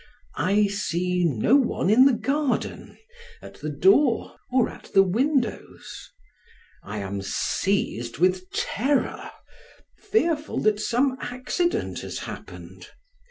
I see no one in the garden, at the door, or at the windows; I am seized with terror, fearful that some accident has happened.